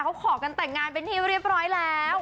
เขาขอกันแต่งงานเป็นที่เรียบร้อยแล้ว